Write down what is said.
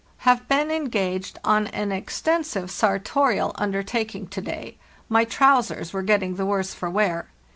"Have been engaged on an extensive sartorial under taking to day; my trousers were getting the worse for wear.